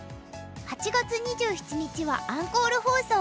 ８月２７日はアンコール放送。